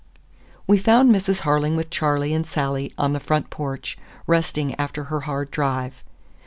We found Mrs. Harling with Charley and Sally on the front porch, resting after her hard drive.